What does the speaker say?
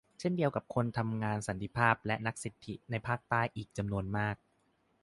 เช่นเดียวกับคนทำงานสันติภาพและนักสิทธิในภาคใต้อีกจำนวนมาก